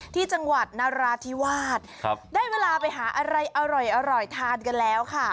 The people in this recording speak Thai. ที่จังหวัดนราธิวาสได้เวลาไปหาอะไรอร่อยทานกันแล้วค่ะ